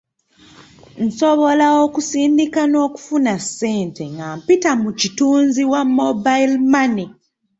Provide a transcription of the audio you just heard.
Nsobola okusindika n'okufuna ssente nga mpita mu kitunzi wa Mobile Money.